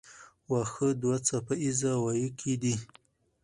واښه دوه څپه ایزه وییکي دي.